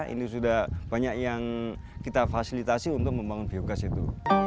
ini sudah banyak yang kita fasilitasi untuk membangun biogas itu